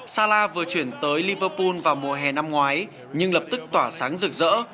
sala vừa chuyển tới liverpool vào mùa hè năm ngoái nhưng lập tức tỏa sáng rực rỡ